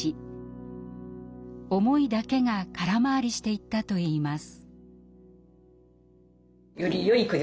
思いだけが空回りしていったといいます。